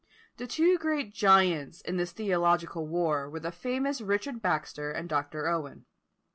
The two great giants in this theological war were the famous Richard Baxter and Dr. Owen.